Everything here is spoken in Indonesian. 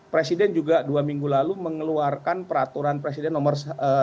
presiden juga dua minggu lalu mengeluarkan peraturan presiden nomor satu ratus dua belas dua ribu dua puluh dua